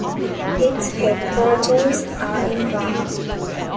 Its headquarters are in Rome.